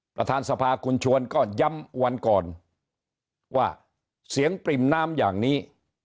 ประธานสภาคุณชวนก็ย้ำวันก่อนว่าเสียงปริ่มน้ำอย่างนี้